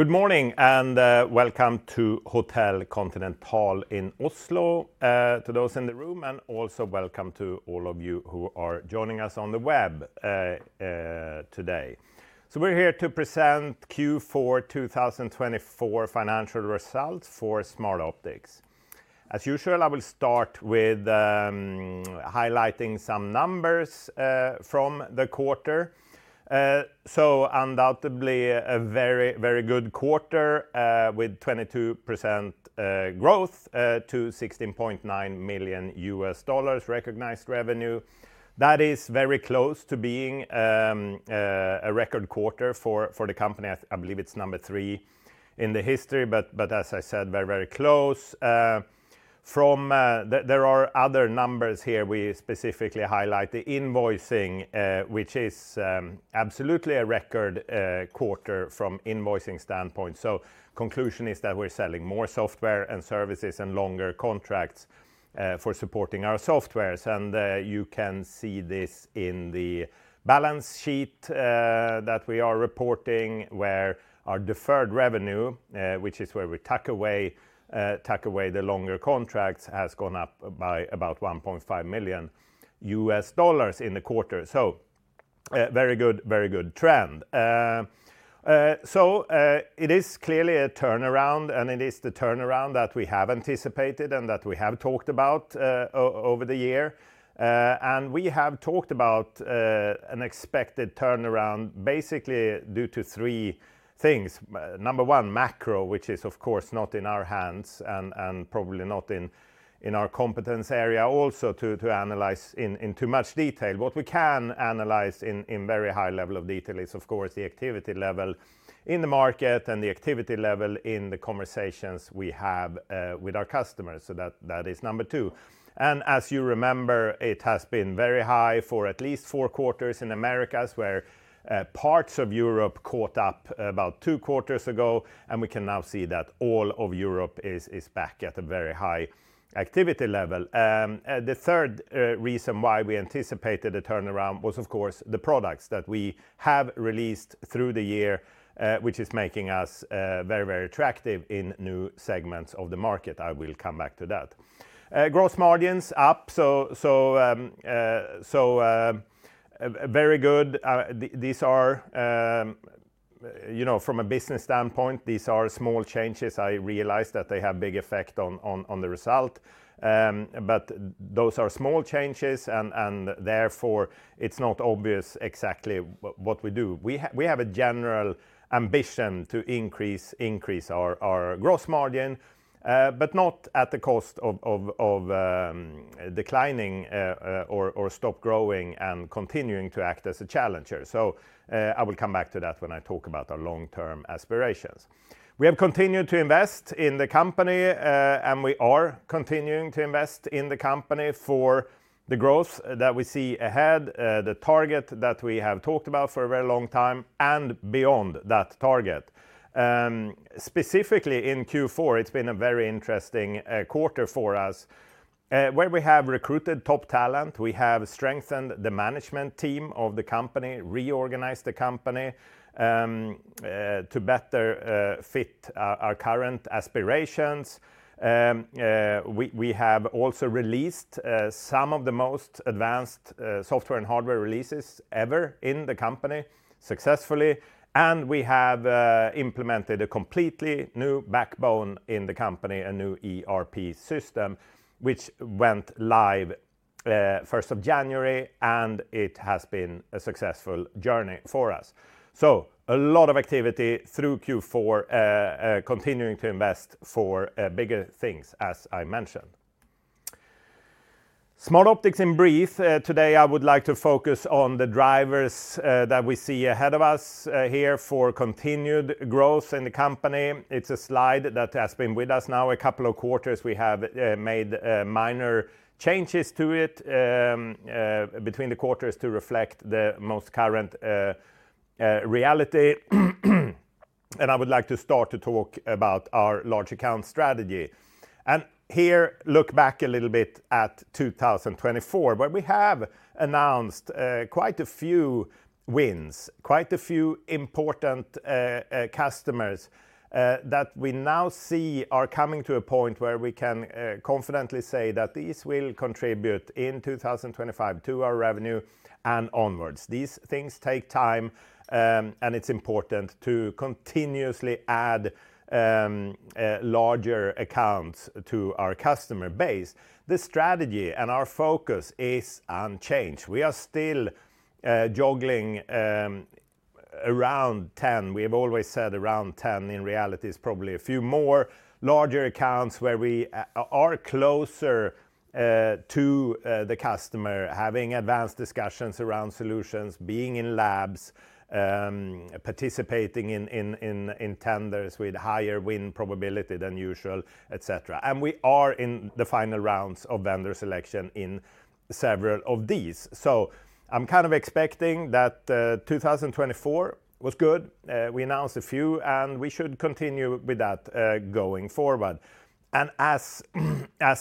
Good morning and welcome to Hotel Continental in Oslo. To those in the room, and also welcome to all of you who are joining us on the web today. We are here to present Q4 2024 financial results for Smartoptics. As usual, I will start with highlighting some numbers from the quarter. Undoubtedly a very, very good quarter with 22% growth to $16.9 million recognized revenue. That is very close to being a record quarter for the company. I believe it is number three in the history, but as I said, very, very close. There are other numbers here we specifically highlight, the invoicing, which is absolutely a record quarter from an invoicing standpoint. The conclusion is that we are selling more software and services and longer contracts for supporting our software. You can see this in the balance sheet that we are reporting, where our deferred revenue, which is where we tuck away the longer contracts, has gone up by about $1.5 million in the quarter. Very good, very good trend. It is clearly a turnaround, and it is the turnaround that we have anticipated and that we have talked about over the year. We have talked about an expected turnaround basically due to three things. Number one, macro, which is of course not in our hands and probably not in our competence area also to analyze in too much detail. What we can analyze in very high level of detail is of course the activity level in the market and the activity level in the conversations we have with our customers. That is number two. As you remember, it has been very high for at least four quarters in Americas, where parts of Europe caught up about two quarters ago. We can now see that all of Europe is back at a very high activity level. The third reason why we anticipated a turnaround was of course the products that we have released through the year, which is making us very, very attractive in new segments of the market. I will come back to that. Gross margins up, so very good. These are, you know, from a business standpoint, these are small changes. I realize that they have a big effect on the result, but those are small changes and therefore it is not obvious exactly what we do. We have a general ambition to increase our gross margin, but not at the cost of declining or stop growing and continuing to act as a challenger. I will come back to that when I talk about our long-term aspirations. We have continued to invest in the company, and we are continuing to invest in the company for the growth that we see ahead, the target that we have talked about for a very long time and beyond that target. Specifically in Q4, it's been a very interesting quarter for us where we have recruited top talent. We have strengthened the management team of the company, reorganized the company to better fit our current aspirations. We have also released some of the most advanced software and hardware releases ever in the company successfully. We have implemented a completely new backbone in the company, a new ERP system, which went live 1st of January, and it has been a successful journey for us. A lot of activity through Q4, continuing to invest for bigger things, as I mentioned. Smartoptics in brief. Today I would like to focus on the drivers that we see ahead of us here for continued growth in the company. It is a slide that has been with us now a couple of quarters. We have made minor changes to it between the quarters to reflect the most current reality. I would like to start to talk about our large account strategy. Here, look back a little bit at 2024, where we have announced quite a few wins, quite a few important customers that we now see are coming to a point where we can confidently say that these will contribute in 2025 to our revenue and onwards. These things take time, and it's important to continuously add larger accounts to our customer base. The strategy and our focus is unchanged. We are still juggling around 10. We have always said around 10. In reality, it's probably a few more larger accounts where we are closer to the customer, having advanced discussions around solutions, being in labs, participating in tenders with higher win probability than usual, et cetera. We are in the final rounds of vendor selection in several of these. I'm kind of expecting that 2024 was good. We announced a few, and we should continue with that going forward. As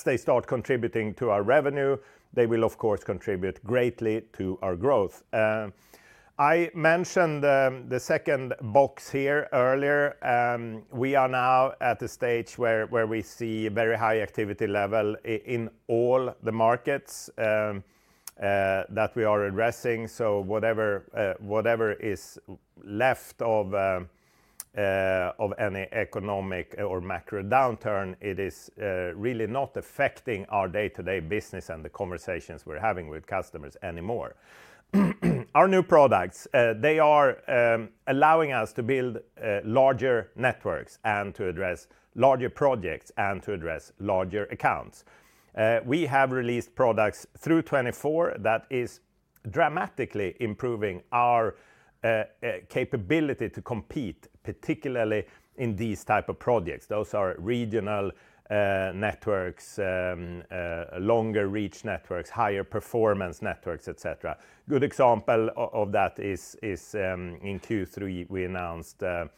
they start contributing to our revenue, they will of course contribute greatly to our growth. I mentioned the second box here earlier. We are now at a stage where we see a very high activity level in all the markets that we are addressing. Whatever is left of any economic or macro downturn, it is really not affecting our day-to-day business and the conversations we're having with customers anymore. Our new products, they are allowing us to build larger networks and to address larger projects and to address larger accounts. We have released products through 2024 that is dramatically improving our capability to compete, particularly in these types of projects. Those are regional networks, longer reach networks, higher performance networks, et cetera. Good example of that is in Q3, we announced a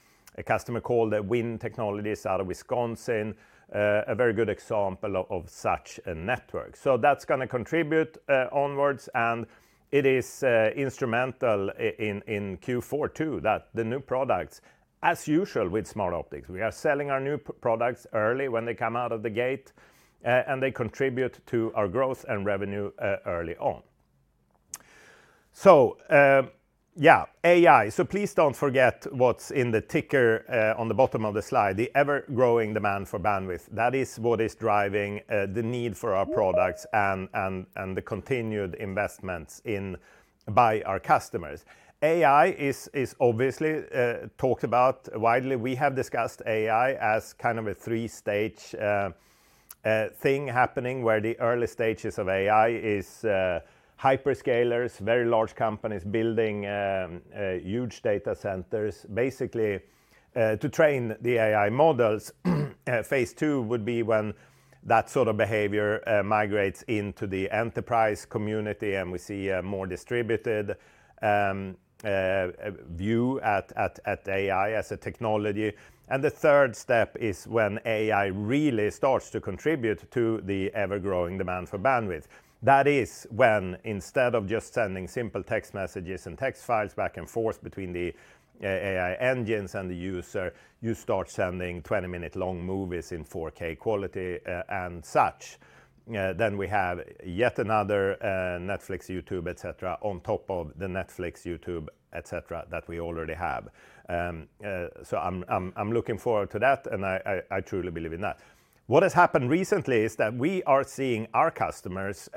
customer called WIN Technology out of Wisconsin, a very good example of such a network. That is going to contribute onwards, and it is instrumental in Q4 too, that the new products, as usual with Smartoptics, we are selling our new products early when they come out of the gate, and they contribute to our growth and revenue early on. Yeah, AI. Please do not forget what is in the ticker on the bottom of the slide, the ever-growing demand for bandwidth. That is what is driving the need for our products and the continued investments by our customers. AI is obviously talked about widely. We have discussed AI as kind of a three-stage thing happening where the early stages of AI is hyperscalers, very large companies building huge data centers basically to train the AI models. Phase II would be when that sort of behavior migrates into the enterprise community and we see a more distributed view at AI as a technology. The third step is when AI really starts to contribute to the ever-growing demand for bandwidth. That is when instead of just sending simple text messages and text files back and forth between the AI engines and the user, you start sending 20-minute long movies in 4K quality and such. We have yet another Netflix, YouTube, et cetera, on top of the Netflix, YouTube, et cetera that we already have. I am looking forward to that, and I truly believe in that. What has happened recently is that we are seeing our customers,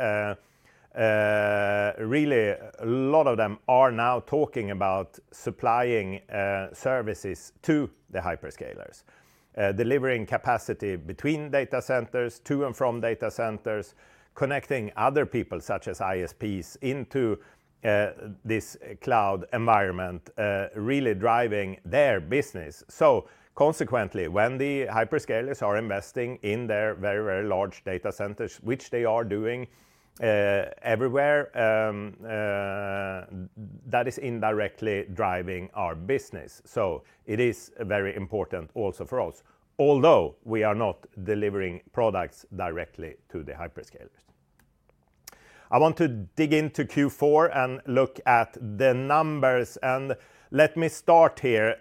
really a lot of them are now talking about supplying services to the hyperscalers, delivering capacity between data centers, to and from data centers, connecting other people such as ISPs into this cloud environment, really driving their business. Consequently, when the hyperscalers are investing in their very, very large data centers, which they are doing everywhere, that is indirectly driving our business. It is very important also for us, although we are not delivering products directly to the hyperscalers. I want to dig into Q4 and look at the numbers. Let me start here.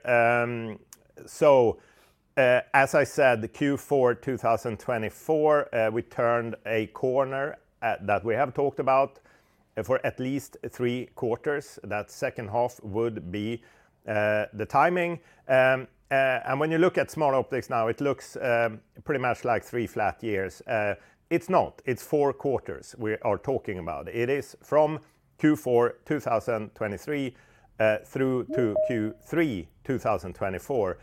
As I said, Q4 2024, we turned a corner that we have talked about for at least three quarters. That second half would be the timing. When you look at Smartoptics now, it looks pretty much like three flat years. It's not. It's four quarters we are talking about. It is from Q4 2023 through to Q3 2024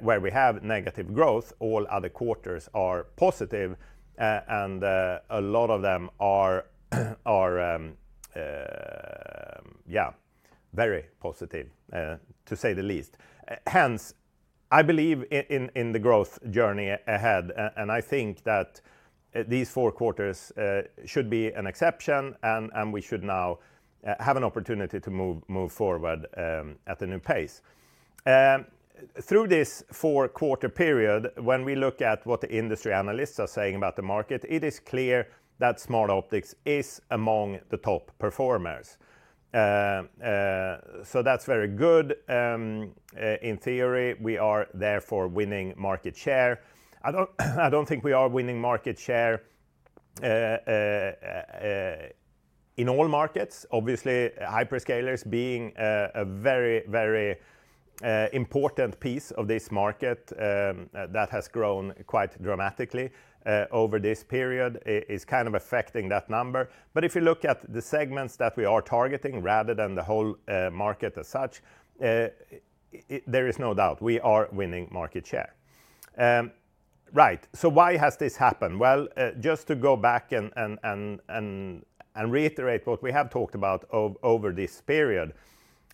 where we have negative growth. All other quarters are positive, and a lot of them are, yeah, very positive to say the least. Hence, I believe in the growth journey ahead, and I think that these four quarters should be an exception, and we should now have an opportunity to move forward at a new pace. Through this four-quarter period, when we look at what the industry analysts are saying about the market, it is clear that Smartoptics is among the top performers. That's very good. In theory, we are therefore winning market share. I don't think we are winning market share in all markets. Obviously, hyperscalers being a very, very important piece of this market that has grown quite dramatically over this period is kind of affecting that number. If you look at the segments that we are targeting rather than the whole market as such, there is no doubt we are winning market share. Right. Why has this happened? Just to go back and reiterate what we have talked about over this period,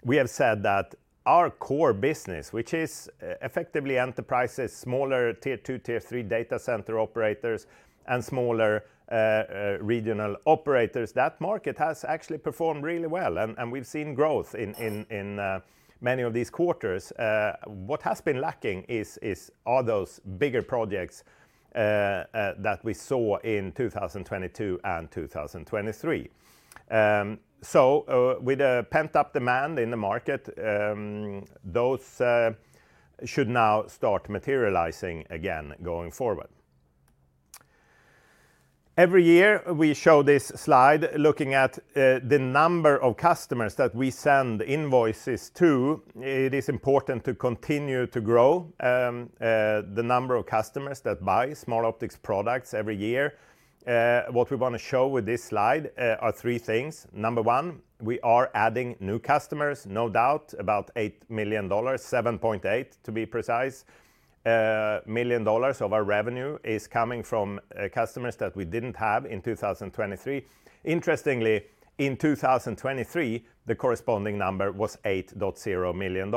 we have said that our core business, which is effectively enterprises, smaller tier two, tier three data center operators, and smaller regional operators, that market has actually performed really well. We have seen growth in many of these quarters. What has been lacking are those bigger projects that we saw in 2022 and 2023. With a pent-up demand in the market, those should now start materializing again going forward. Every year we show this slide looking at the number of customers that we send invoices to. It is important to continue to grow the number of customers that buy Smartoptics products every year. What we want to show with this slide are three things. Number one, we are adding new customers, no doubt, about $8 million, $7.8 million to be precise. Million dollars of our revenue is coming from customers that we did not have in 2023. Interestingly, in 2023, the corresponding number was $8.0 million.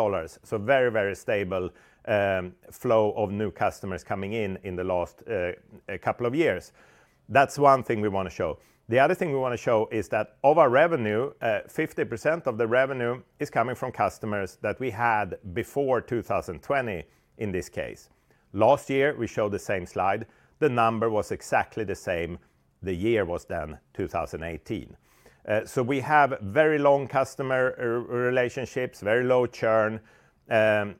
Very, very stable flow of new customers coming in in the last couple of years. That is one thing we want to show. The other thing we want to show is that of our revenue, 50% of the revenue is coming from customers that we had before 2020 in this case. Last year, we showed the same slide. The number was exactly the same. The year was then 2018. We have very long customer relationships, very low churn, and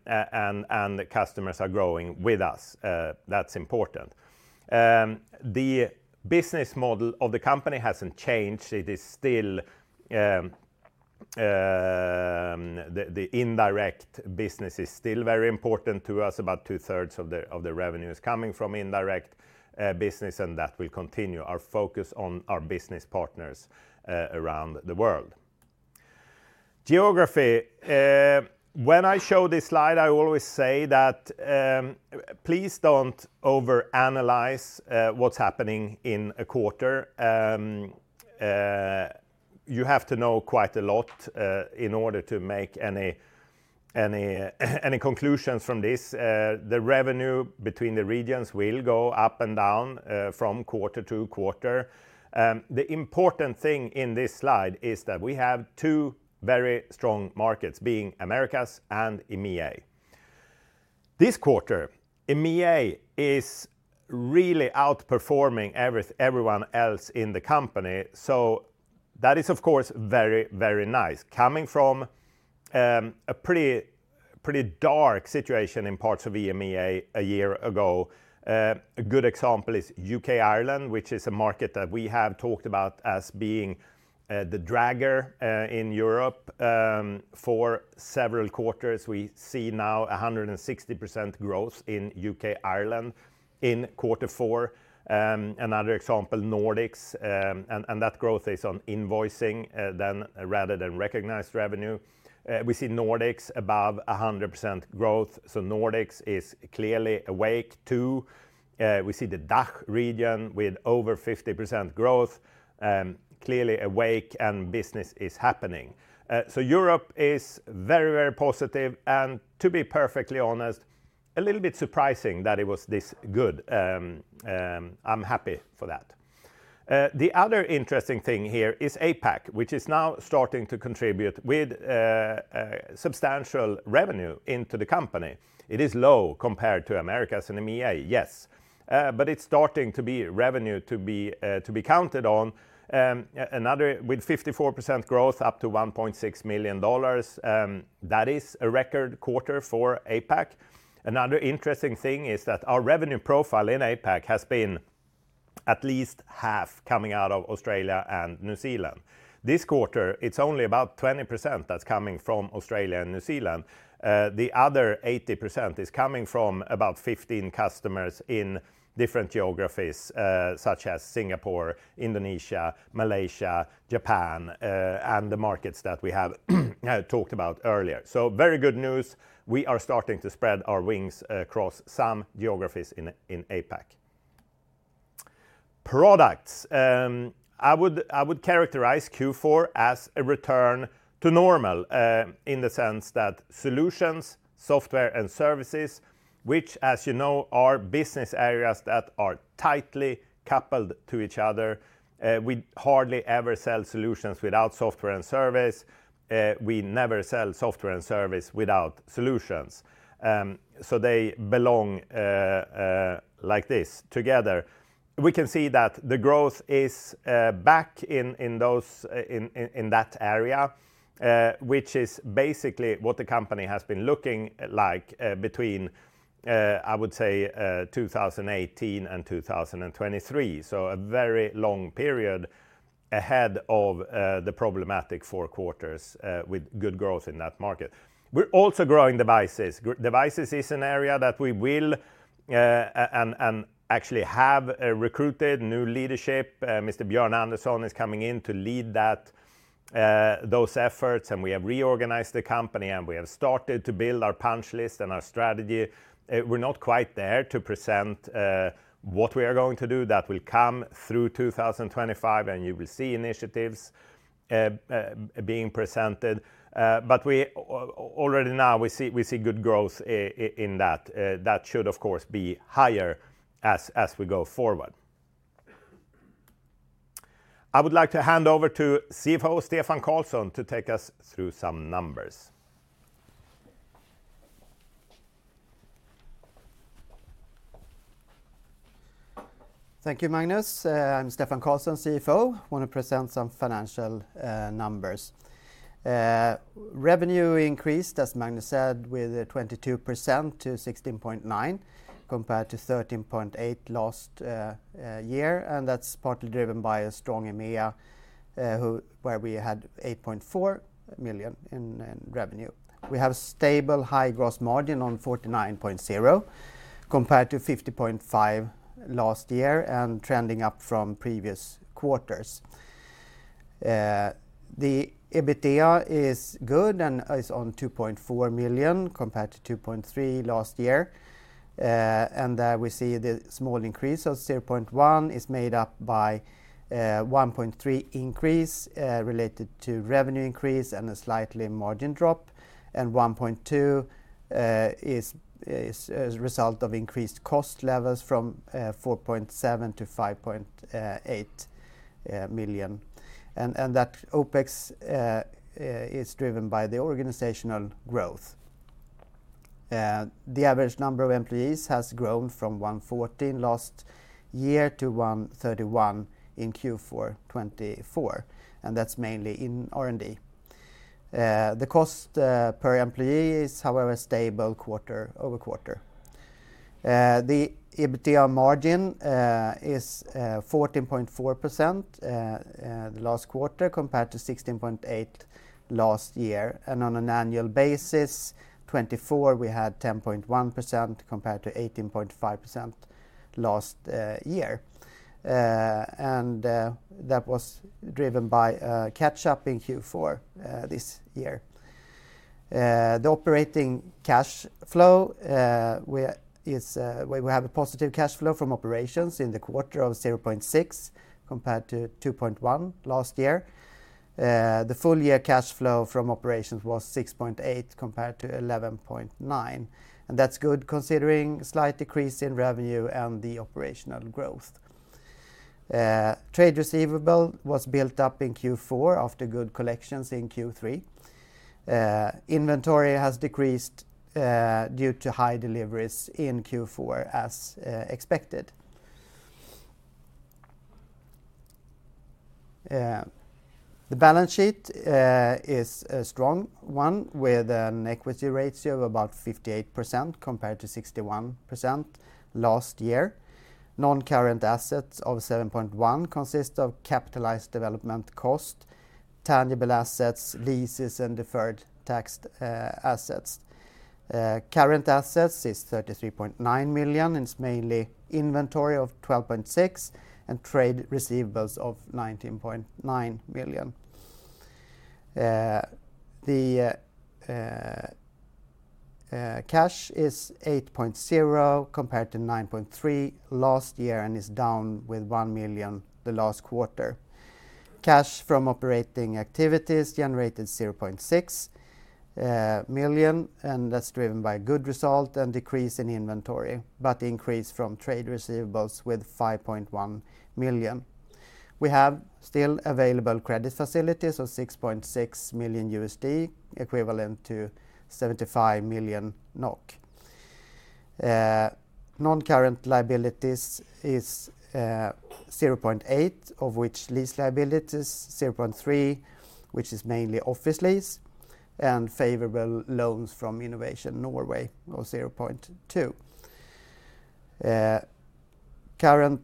customers are growing with us. That's important. The business model of the company hasn't changed. It is still the indirect business, is still very important to us. About two-thirds of the revenue is coming from indirect business, and that will continue our focus on our business partners around the world. Geography. When I show this slide, I always say that please don't overanalyze what's happening in a quarter. You have to know quite a lot in order to make any conclusions from this. The revenue between the regions will go up and down from quarter to quarter. The important thing in this slide is that we have two very strong markets being Americas and EMEA. This quarter, EMEA is really outperforming everyone else in the company. That is, of course, very, very nice. Coming from a pretty dark situation in parts of EMEA a year ago, a good example is UK Ireland, which is a market that we have talked about as being the dragger in Europe for several quarters. We see now 160% growth in UK Ireland in quarter four. Another example, Nordics. And that growth is on invoicing then rather than recognized revenue. We see Nordics above 100% growth. So Nordics is clearly awake too. We see the DACH region with over 50% growth, clearly awake and business is happening. Europe is very, very positive. To be perfectly honest, a little bit surprising that it was this good. I'm happy for that. The other interesting thing here is APAC, which is now starting to contribute with substantial revenue into the company. It is low compared to Americas and EMEA, yes. It is starting to be revenue to be counted on. Another with 54% growth up to $1.6 million. That is a record quarter for APAC. Another interesting thing is that our revenue profile in APAC has been at least half coming out of Australia and New Zealand. This quarter, it is only about 20% that is coming from Australia and New Zealand. The other 80% is coming from about 15 customers in different geographies such as Singapore, Indonesia, Malaysia, Japan, and the markets that we have talked about earlier. Very good news. We are starting to spread our wings across some geographies in APAC. Products. I would characterize Q4 as a return to normal in the sense that solutions, software, and services, which, as you know, are business areas that are tightly coupled to each other. We hardly ever sell solutions without software and service. We never sell software and service without solutions. They belong like this together. We can see that the growth is back in that area, which is basically what the company has been looking like between, I would say, 2018 and 2023. A very long period ahead of the problematic four quarters with good growth in that market. We are also growing devices. Devices is an area that we will actually have recruited new leadership. Mr. Björn Andersson is coming in to lead those efforts. We have reorganized the company and we have started to build our punch list and our strategy. We are not quite there to present what we are going to do. That will come through 2025. You will see initiatives being presented. Already now we see good growth in that. That should, of course, be higher as we go forward. I would like to hand over to CFO Stefan Karlsson to take us through some numbers. Thank you, Magnus. I'm Stefan Karlsson, CFO. I want to present some financial numbers. Revenue increased, as Magnus said, with 22% to $16.9 million compared to $13.8 million last year. That's partly driven by a strong EMEA where we had $8.4 million in revenue. We have a stable high gross margin on 49.0% compared to 50.5% last year and trending up from previous quarters. The EBITDA is good and is on $2.4 million compared to $2.3 million last year. We see the small increase of $0.1 million is made up by $1.3 million increase related to revenue increase and a slightly margin drop. $1.2 million is a result of increased cost levels from $4.7 million to $5.8 million. That OpEx is driven by the organizational growth. The average number of employees has grown from 140 last year to 131 in Q4 2024. That's mainly in R&D. The cost per employee is, however, stable quarter-over-quarter. The EBITDA margin is 14.4% last quarter compared to 16.8% last year. On an annual basis, 2024 we had 10.1% compared to 18.5% last year. That was driven by catch-up in Q4 this year. The operating cash flow, we have a positive cash flow from operations in the quarter of $0.6 compared to $2.1 last year. The full year cash flow from operations was $6.8 compared to $11.9. That is good considering slight decrease in revenue and the operational growth. Trade receivable was built up in Q4 after good collections in Q3. Inventory has decreased due to high deliveries in Q4, as expected. The balance sheet is a strong one with an equity ratio of about 58% compared to 61% last year. Non-current assets of $7.1 consist of capitalized development cost, tangible assets, leases, and deferred tax assets. Current assets is $33.9 million. It's mainly inventory of $12.6 million and trade receivables of $19.9 million. The cash is $8.0 million compared to $9.3 million last year and is down with $1 million the last quarter. Cash from operating activities generated $0.6 million. That's driven by good result and decrease in inventory, but increase from trade receivables with $5.1 million. We have still available credit facilities of $6.6 million, equivalent to NOK 75 million. Non-current liabilities is $0.8 million, of which lease liabilities $0.3 million, which is mainly office lease, and favorable loans from Innovation Norway of $0.2 million. Current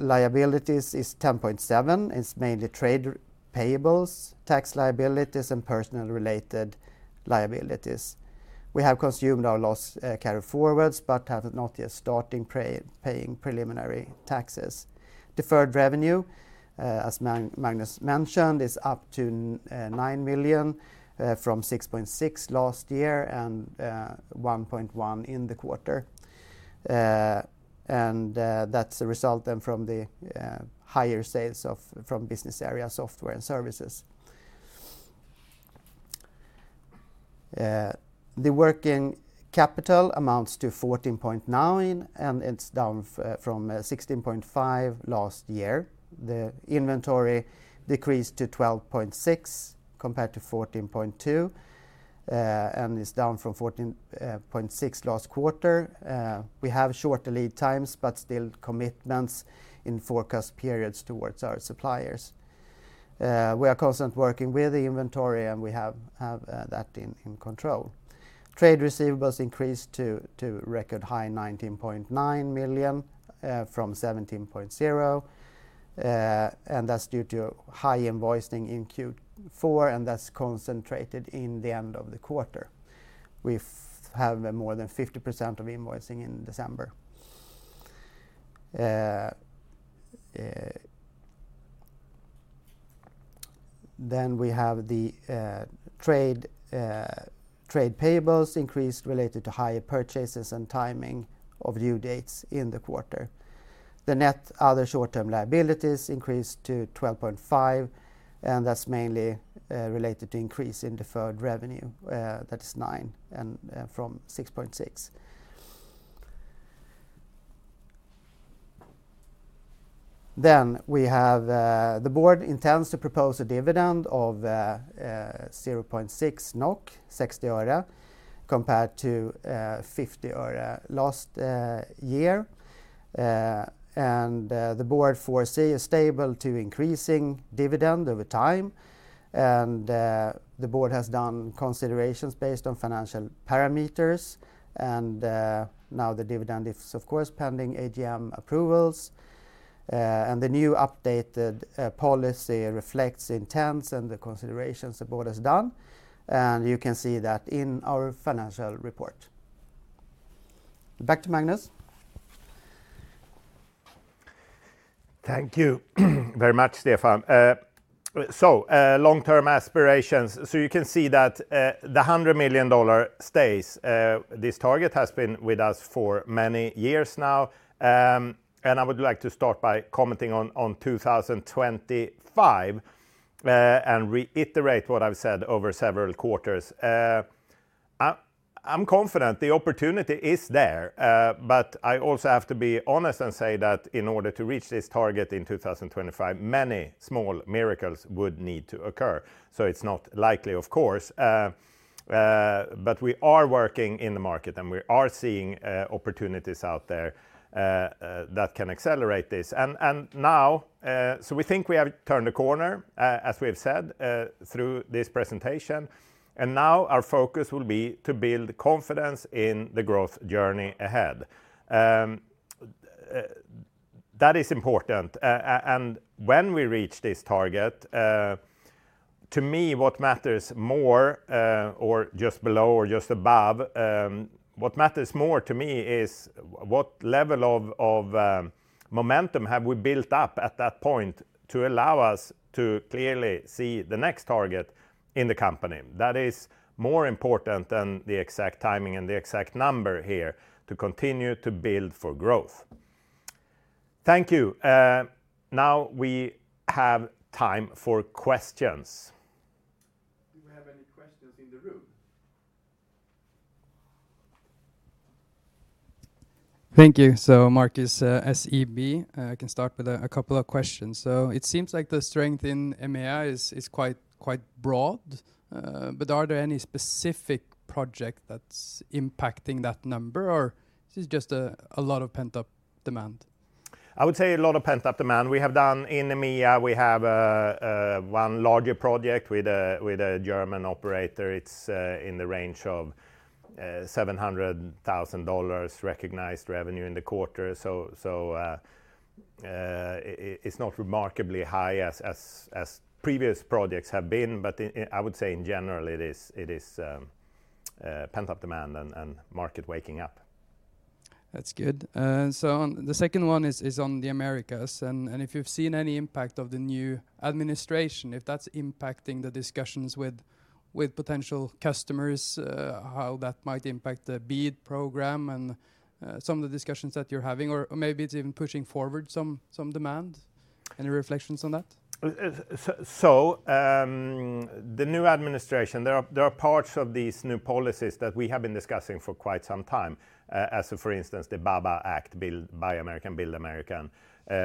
liabilities is $10.7 million. It's mainly trade payables, tax liabilities, and personal related liabilities. We have consumed our loss carry forwards, but have not yet started paying preliminary taxes. Deferred revenue, as Magnus mentioned, is up to $9 million from $6.6 million last year and $1.1 million in the quarter. That is a result then from the higher sales from business area, software and services. The working capital amounts to $14.9 million, and it is down from $16.5 million last year. The inventory decreased to $12.6 million compared to $14.2 million, and it is down from $14.6 million last quarter. We have shorter lead times, but still commitments in forecast periods towards our suppliers. We are constantly working with the inventory, and we have that in control. Trade receivables increased to a record high, $19.9 million from $17.0 million. That is due to high invoicing in Q4, and that is concentrated in the end of the quarter. We have more than 50% of invoicing in December. Trade payables increased related to higher purchases and timing of due dates in the quarter. The net other short-term liabilities increased to $12.5 million, and that is mainly related to increase in deferred revenue. That is $9.0 million from $6.6 million. The board intends to propose a dividend of 0.6 NOK, 60 øre, compared to 50 øre last year. The board foresee a stable to increasing dividend over time. The board has done considerations based on financial parameters. The dividend is, of course, pending AGM approvals. The new updated policy reflects intents and the considerations the board has done. You can see that in our financial report. Back to Magnus. Thank you very much, Stefan. Long-term aspirations. You can see that the $100 million stays. This target has been with us for many years now. I would like to start by commenting on 2025 and reiterate what I've said over several quarters. I'm confident the opportunity is there, but I also have to be honest and say that in order to reach this target in 2025, many small miracles would need to occur. It's not likely, of course. We are working in the market, and we are seeing opportunities out there that can accelerate this. We think we have turned the corner, as we have said through this presentation. Our focus will be to build confidence in the growth journey ahead. That is important. When we reach this target, to me, what matters more or just below or just above, what matters more to me is what level of momentum have we built up at that point to allow us to clearly see the next target in the company. That is more important than the exact timing and the exact number here to continue to build for growth. Thank you. Now we have time for questions. Thank you. Markus SEB, I can start with a couple of questions. It seems like the strength in EMEA is quite broad. Are there any specific projects that's impacting that number, or is it just a lot of pent-up demand? I would say a lot of pent-up demand. We have done in EMEA, we have one larger project with a German operator. It's in the range of $700,000 recognized revenue in the quarter. It is not remarkably high as previous projects have been. I would say in general, it is pent-up demand and market waking up. That's good. The second one is on the Americas. If you've seen any impact of the new administration, if that's impacting the discussions with potential customers, how that might impact the BEAD program and some of the discussions that you're having, or maybe it's even pushing forward some demand and your reflections on that? The new administration, there are parts of these new policies that we have been discussing for quite some time, as for instance, the BABA Act, Build America Buy America,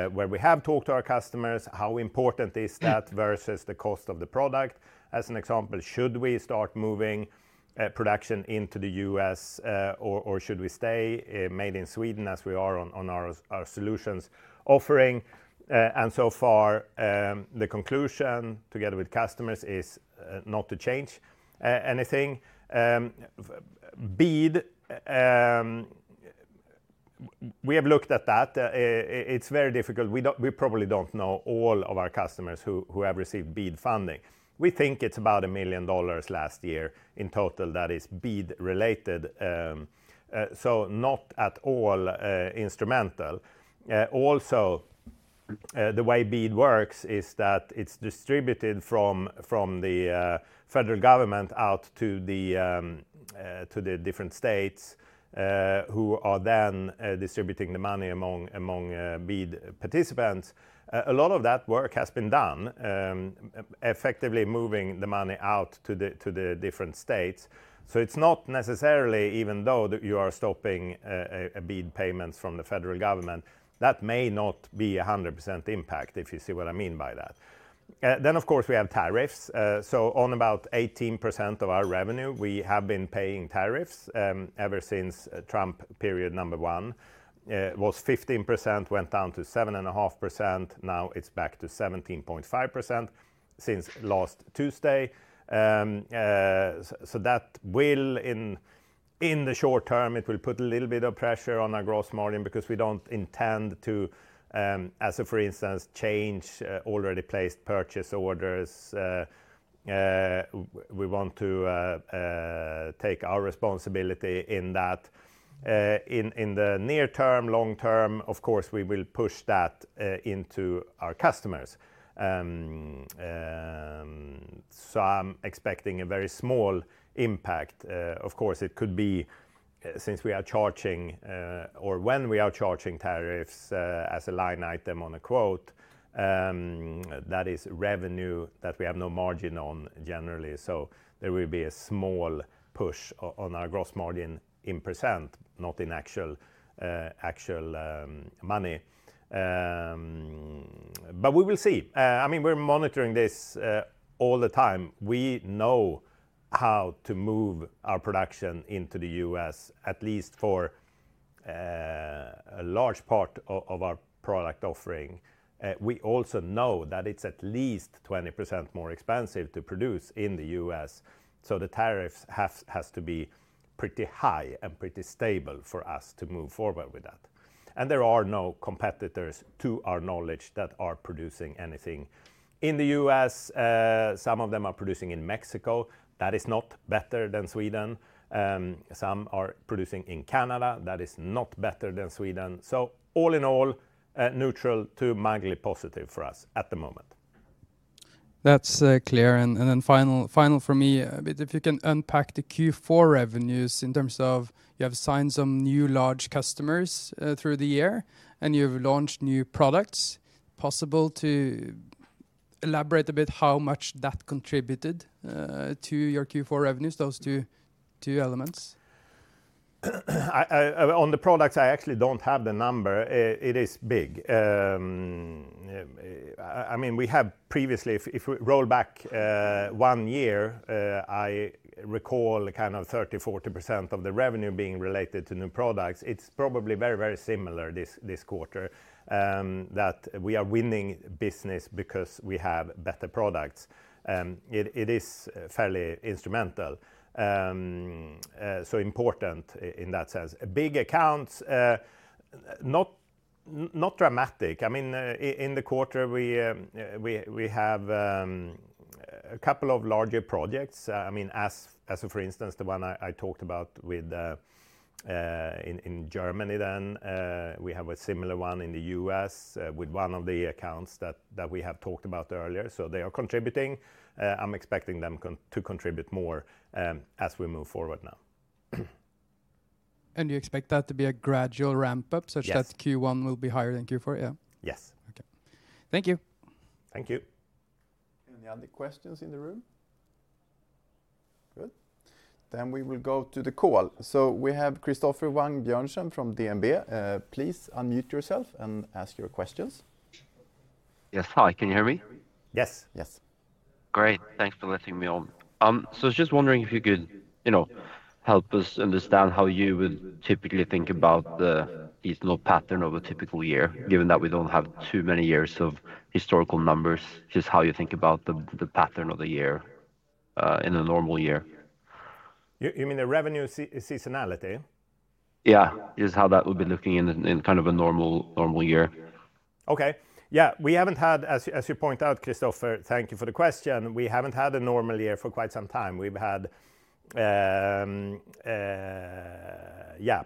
where we have talked to our customers. How important is that versus the cost of the product? As an example, should we start moving production into the U.S., or should we stay made in Sweden as we are on our solutions offering? So far, the conclusion together with customers is not to change anything. BEAD, we have looked at that. It's very difficult. We probably don't know all of our customers who have received BEAD funding. We think it's about $1 million last year in total that is BEAD related. Not at all instrumental. Also, the way BEAD works is that it's distributed from the federal government out to the different states who are then distributing the money among BEAD participants. A lot of that work has been done, effectively moving the money out to the different states. It's not necessarily, even though you are stopping BEAD payments from the federal government, that may not be a 100% impact if you see what I mean by that. Of course, we have tariffs. On about 18% of our revenue, we have been paying tariffs ever since Trump period number one was 15%, went down to 7.5%. Now it's back to 17.5% since last Tuesday. That will, in the short-term, put a little bit of pressure on our gross margin because we don't intend to, as for instance, change already placed purchase orders. We want to take our responsibility in that. In the near-term, long-term, of course, we will push that into our customers. I am expecting a very small impact. Of course, it could be since we are charging, or when we are charging tariffs as a line item on a quote, that is revenue that we have no margin on generally. There will be a small push on our gross margin in percent, not in actual money. We will see. I mean, we are monitoring this all the time. We know how to move our production into the U.S., at least for a large part of our product offering. We also know that it is at least 20% more expensive to produce in the U.S. The tariffs have to be pretty high and pretty stable for us to move forward with that. There are no competitors to our knowledge that are producing anything in the U.S. Some of them are producing in Mexico. That is not better than Sweden. Some are producing in Canada. That is not better than Sweden. All in all, neutral to mildly positive for us at the moment. That's clear. Final for me, if you can unpack the Q4 revenues in terms of you have signed some new large customers through the year and you've launched new products. Possible to elaborate a bit how much that contributed to your Q4 revenues, those two elements? On the products, I actually don't have the number. It is big. I mean, we have previously, if we roll back one year, I recall kind of 30%-40% of the revenue being related to new products. It's probably very, very similar this quarter that we are winning business because we have better products. It is fairly instrumental, so important in that sense. Big accounts, not dramatic. I mean, in the quarter, we have a couple of larger projects. I mean, as for instance, the one I talked about in Germany then, we have a similar one in the U.S. with one of the accounts that we have talked about earlier. They are contributing. I'm expecting them to contribute more as we move forward now. You expect that to be a gradual ramp up such that Q1 will be higher than Q4? Yes. Okay. Thank you. Thank you. Any other questions in the room? Good. We will go to the call. We have Christoffer Wang Bjørnsen from DNB. Please unmute yourself and ask your questions. Yes. Hi. Can you hear me? Yes. Yes. Great. Thanks for letting me on. I was just wondering if you could help us understand how you would typically think about the seasonal pattern of a typical year, given that we do not have too many years of historical numbers, just how you think about the pattern of the year in a normal year. You mean the revenue seasonality? Yeah. Just how that would be looking in kind of a normal year. Okay. Yeah. We haven't had, as you point out, Christopher, thank you for the question. We haven't had a normal year for quite some time. We've had, yeah,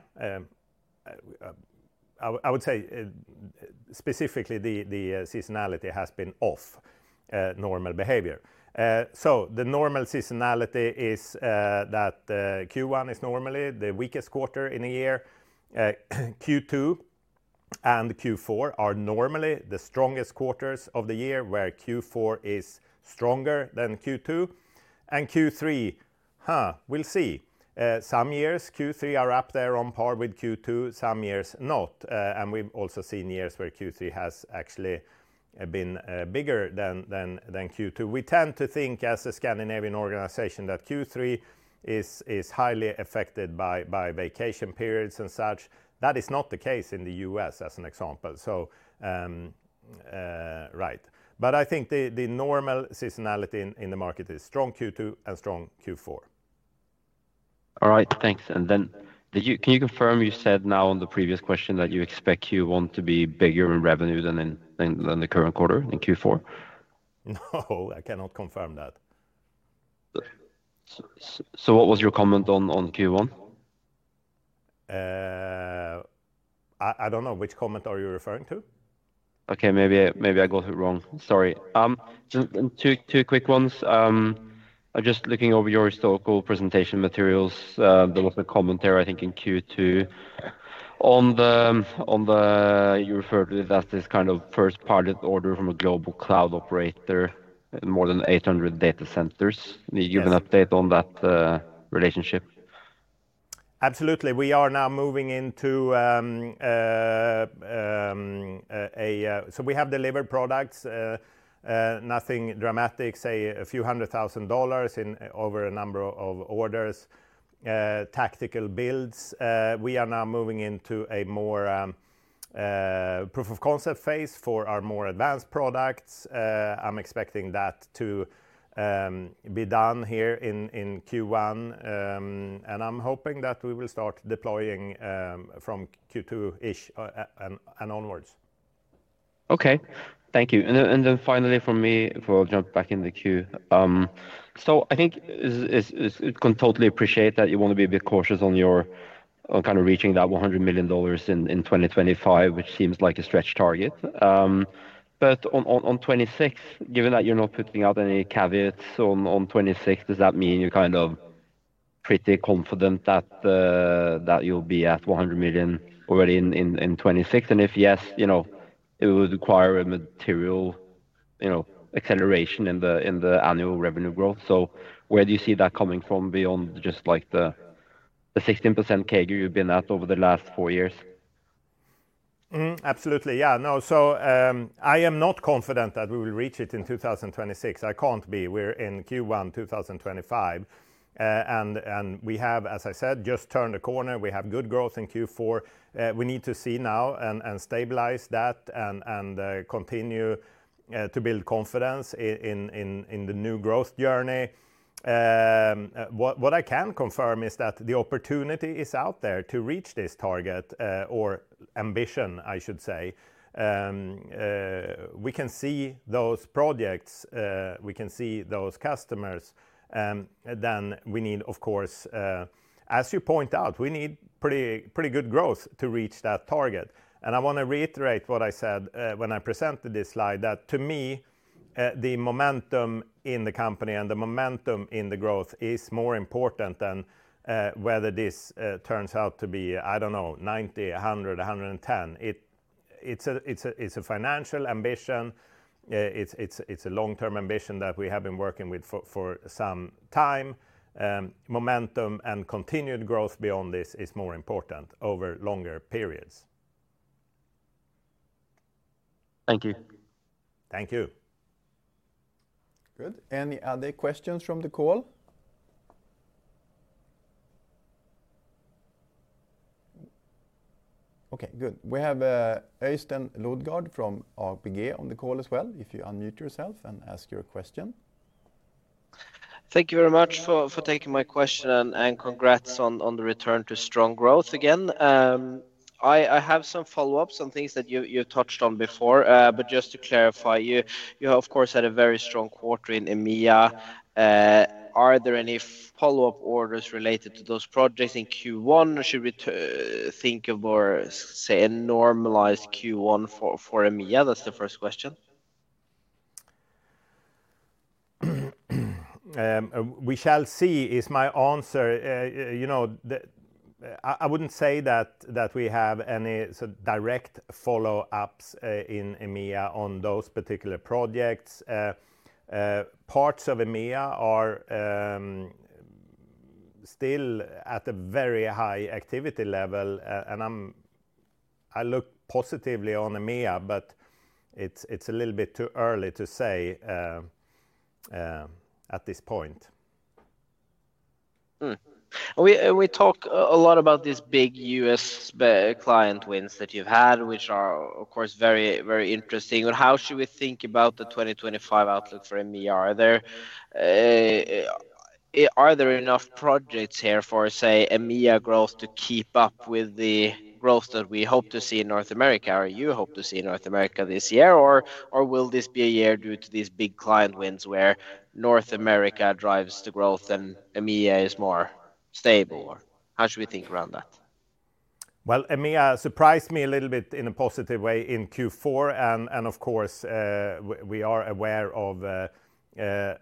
I would say specifically the seasonality has been off normal behavior. The normal seasonality is that Q1 is normally the weakest quarter in a year. Q2 and Q4 are normally the strongest quarters of the year, where Q4 is stronger than Q2. Q3, we'll see. Some years Q3 are up there on par with Q2, some years not. We've also seen years where Q3 has actually been bigger than Q2. We tend to think as a Scandinavian organization that Q3 is highly affected by vacation periods and such. That is not the case in the U.S., as an example. Right. I think the normal seasonality in the market is strong Q2 and strong Q4. All right. Thanks. Can you confirm you said now on the previous question that you expect Q1 to be bigger in revenue than the current quarter in Q4? No, I cannot confirm that. What was your comment on Q1? I don't know. Which comment are you referring to? Okay. Maybe I got it wrong. Sorry. Just two quick ones. I'm just looking over your historical presentation materials. There was a comment there, I think, in Q2. You referred to this as this kind of first pilot order from a global cloud operator, more than 800 data centers. Can you give an update on that relationship? Absolutely. We are now moving into a, so we have delivered products, nothing dramatic, say a few hundred thousand dollars over a number of orders, tactical builds. We are now moving into a more proof of concept phase for our more advanced products. I'm expecting that to be done here in Q1. I'm hoping that we will start deploying from Q2-ish and onwards. Okay. Thank you. Finally for me, before I jump back in the queue, I think it's totally appreciated that you want to be a bit cautious on kind of reaching that $100 million in 2025, which seems like a stretch target. On 2026, given that you're not putting out any caveats on 2026, does that mean you're kind of pretty confident that you'll be at $100 million already in 2026? If yes, it would require a material acceleration in the annual revenue growth. Where do you see that coming from beyond just like the 16% CAGR you've been at over the last four years? Absolutely. Yeah. No, I am not confident that we will reach it in 2026. I can't be. We are in Q1 2025. I have, as I said, just turned the corner. We have good growth in Q4. We need to see now and stabilize that and continue to build confidence in the new growth journey. What I can confirm is that the opportunity is out there to reach this target or ambition, I should say. We can see those projects. We can see those customers. We need, of course, as you point out, pretty good growth to reach that target. I want to reiterate what I said when I presented this slide, that to me, the momentum in the company and the momentum in the growth is more important than whether this turns out to be, I don't know, 90, 100, 110. It's a financial ambition. It's a long-term ambition that we have been working with for some time. Momentum and continued growth beyond this is more important over longer periods. Thank you. Thank you. Good. Any other questions from the call? Okay. Good. We have Øystein Lodgaard from ABG on the call as well. If you unmute yourself and ask your question. Thank you very much for taking my question and congrats on the return to strong growth again. I have some follow-ups on things that you've touched on before. Just to clarify, you have, of course, had a very strong quarter in EMEA. Are there any follow-up orders related to those projects in Q1? Should we think of, say, a normalized Q1 for EMEA? That's the first question. We shall see is my answer. I would not say that we have any direct follow-ups in EMEA on those particular projects. Parts of EMEA are still at a very high activity level. I look positively on EMEA, but it is a little bit too early to say at this point. We talk a lot about these big U.S. client wins that you've had, which are, of course, very interesting. How should we think about the 2025 outlook for EMEA? Are there enough projects here for, say, EMEA growth to keep up with the growth that we hope to see in North America? You hope to see in North America this year? Will this be a year due to these big client wins where North America drives the growth and EMEA is more stable? How should we think around that? EMEA surprised me a little bit in a positive way in Q4. Of course, we are aware of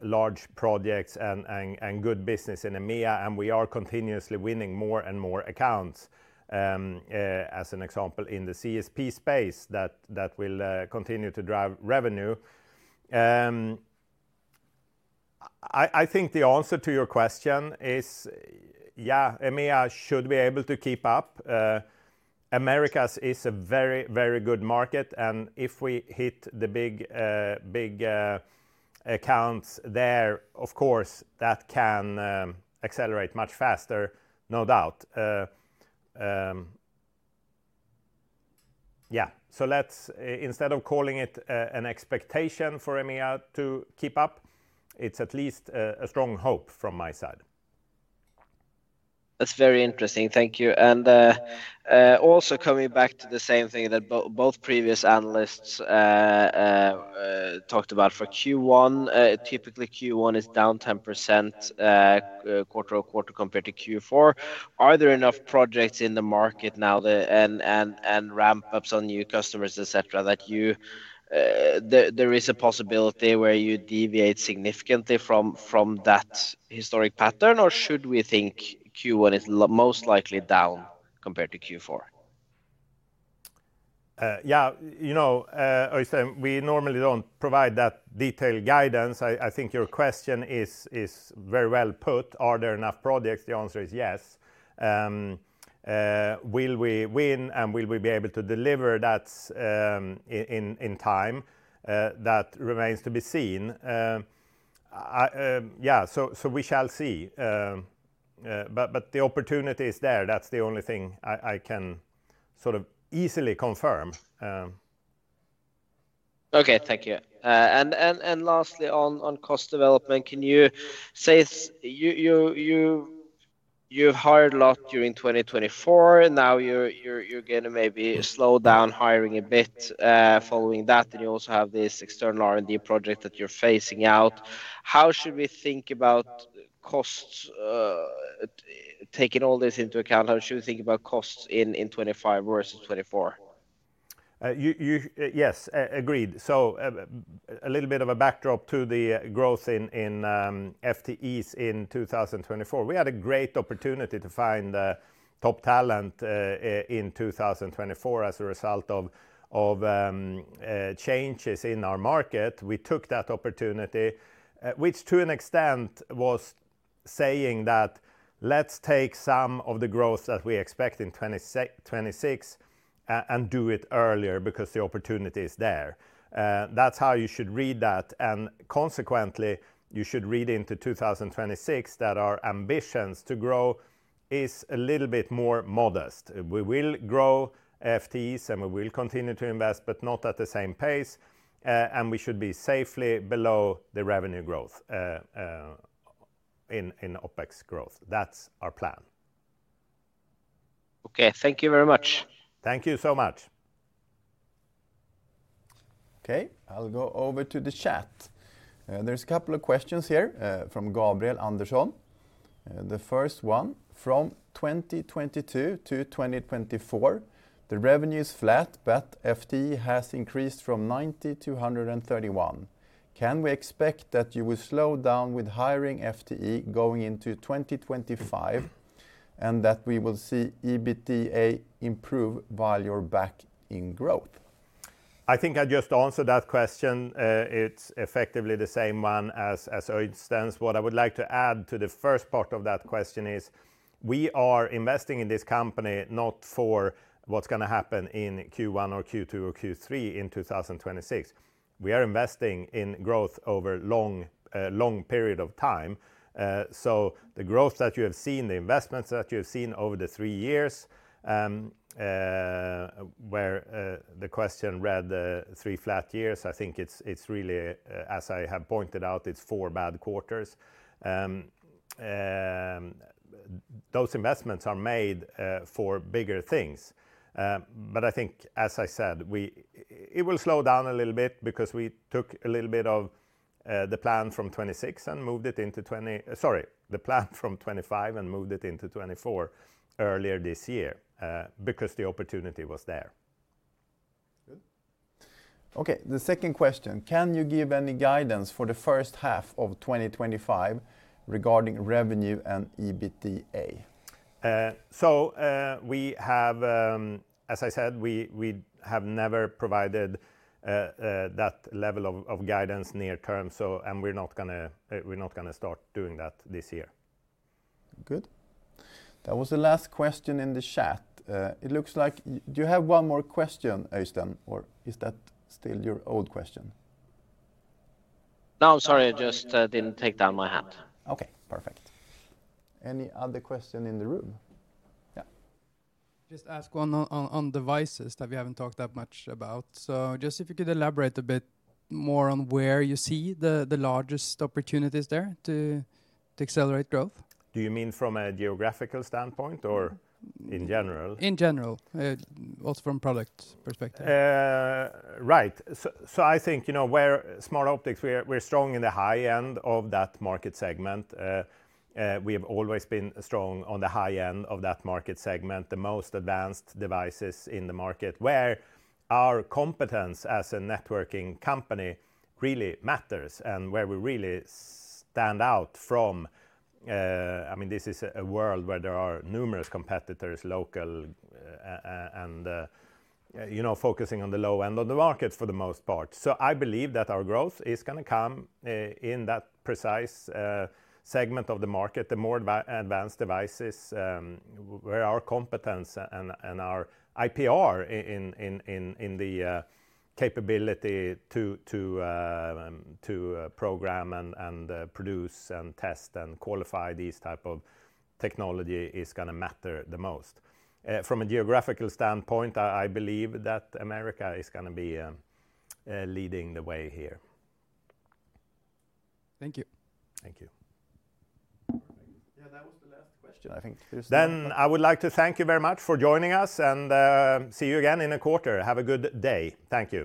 large projects and good business in EMEA. We are continuously winning more and more accounts, as an example, in the CSP space that will continue to drive revenue. I think the answer to your question is, yeah, EMEA should be able to keep up. America is a very, very good market. If we hit the big accounts there, of course, that can accelerate much faster, no doubt. Instead of calling it an expectation for EMEA to keep up, it is at least a strong hope from my side. That's very interesting. Thank you. Also, coming back to the same thing that both previous analysts talked about for Q1, typically Q1 is down 10% quarter-over-quarter compared to Q4. Are there enough projects in the market now and ramp-ups on new customers, etc., that there is a possibility where you deviate significantly from that historic pattern? Should we think Q1 is most likely down compared to Q4? Yeah. You know, Øystein, we normally don't provide that detailed guidance. I think your question is very well put. Are there enough projects? The answer is yes. Will we win? And will we be able to deliver that in time? That remains to be seen. Yeah. We shall see. The opportunity is there. That's the only thing I can sort of easily confirm. Okay. Thank you. Lastly, on cost development, can you say you've hired a lot during 2024. Now you're going to maybe slow down hiring a bit following that. You also have this external R&D project that you're phasing out. How should we think about costs, taking all this into account? How should we think about costs in 2025 versus 2024? Yes. Agreed. A little bit of a backdrop to the growth in FTEs in 2024. We had a great opportunity to find top talent in 2024 as a result of changes in our market. We took that opportunity, which to an extent was saying that let's take some of the growth that we expect in 2026 and do it earlier because the opportunity is there. That's how you should read that. Consequently, you should read into 2026 that our ambitions to grow is a little bit more modest. We will grow FTEs and we will continue to invest, but not at the same pace. We should be safely below the revenue growth in OpEx growth. That's our plan. Okay. Thank you very much. Thank you so much. Okay. I'll go over to the chat. There's a couple of questions here from Gabriel Anderson. The first one, from 2022 to 2024, the revenue is flat, but FTE has increased from 90 to 131. Can we expect that you will slow down with hiring FTE going into 2025 and that we will see EBITDA improve while you're back in growth? I think I just answered that question. It's effectively the same one as Øystein's. What I would like to add to the first part of that question is we are investing in this company not for what's going to happen in Q1 or Q2 or Q3 in 2026. We are investing in growth over a long period of time. The growth that you have seen, the investments that you have seen over the three years where the question read three flat years, I think it's really, as I have pointed out, it's four bad quarters. Those investments are made for bigger things. I think, as I said, it will slow down a little bit because we took a little bit of the plan from 26 and moved it into 20 sorry, the plan from 25 and moved it into 24 earlier this year because the opportunity was there. Good. Okay. The second question, can you give any guidance for the first half of 2025 regarding revenue and EBITDA? As I said, we have never provided that level of guidance near-term. And we're not going to start doing that this year. Good. That was the last question in the chat. It looks like you have one more question, Øystein. Or is that still your old question? No, sorry. I just didn't take down my hat. Okay. Perfect. Any other question in the room? Yeah. Just ask one on devices that we haven't talked that much about. If you could elaborate a bit more on where you see the largest opportunities there to accelerate growth. Do you mean from a geographical standpoint or in general? In general, also from a product perspective. Right. I think where Smartoptics, we're strong in the high end of that market segment. We have always been strong on the high end of that market segment, the most advanced devices in the market where our competence as a networking company really matters and where we really stand out from. I mean, this is a world where there are numerous competitors, local, and focusing on the low end of the market for the most part. I believe that our growth is going to come in that precise segment of the market, the more advanced devices where our competence and our IPR in the capability to program and produce and test and qualify these types of technology is going to matter the most. From a geographical standpoint, I believe that America is going to be leading the way here. Thank you. Thank you. Yeah. That was the last question, I think. I would like to thank you very much for joining us and see you again in a quarter. Have a good day. Thank you.